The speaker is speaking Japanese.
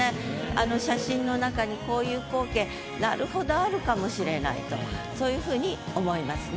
あの写真の中にこういう光景なるほどあるかもしれないとそういうふうに思いますね。